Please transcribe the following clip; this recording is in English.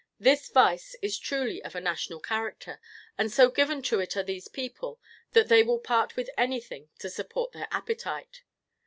This vice is truly of a national character, and so given to it are these people, that they will part with anything to support their appetite.